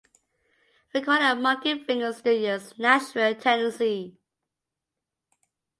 Recorded at Monkey Finger Studios, Nashville, Tennessee.